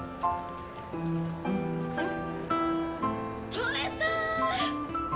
取れた！